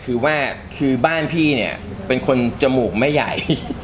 คือว่าคือบ้านพี่เนี่ยเป็นคนจมูกไม่ใหญ่